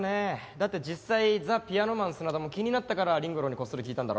だって実際ザ・ピアノマン砂田も気になったから凛吾郎にこっそり聞いたんだろ？